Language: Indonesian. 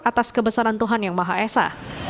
atas kebesaran tuhan yang maha esa